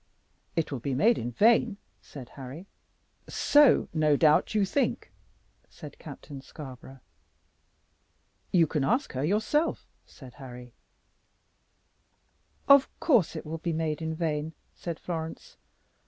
"It will be made in vain," said Harry. "So, no doubt, you think," said Captain Scarborough. "You can ask herself," said Harry. "Of course it will be made in vain," said Florence.